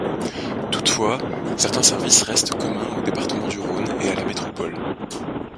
Toutefois, certains services restent communs au département du Rhône et à la métropole.